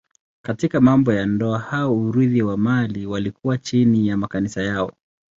Katika mambo ya ndoa au urithi wa mali walikuwa chini ya makanisa yao.